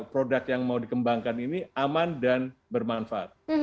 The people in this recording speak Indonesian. produk yang mau dikembangkan ini aman dan bermanfaat